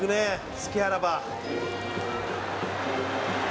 隙あらば。